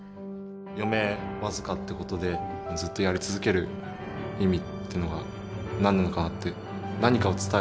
余命僅かって事でずっとやり続ける意味ってのは何なのかなって何かを伝えたいのかなとか。